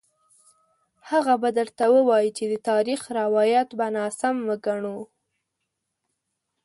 هغه به درته ووايي چې د تاریخ روایت به ناسم وګڼو.